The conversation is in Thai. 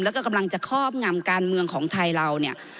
แล้วก็กำลังจะครอบงำการเมืองของไทยเราเนี่ย